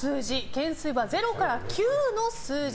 懸垂は０から９の数字。